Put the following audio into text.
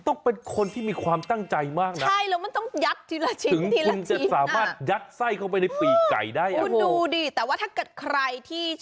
ต้องเป็นคนที่มีความตั้งใจมากนะถึงจะยัดไส้เข้าไปในปีกไก่ได้